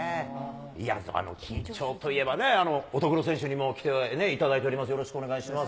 いや、緊張といえばね、乙黒選手にも来ていただいております。